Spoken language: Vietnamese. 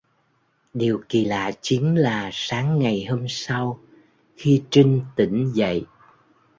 Điều kỳ lạ chính là sáng ngày hôm sau khi trinh tỉnh dậy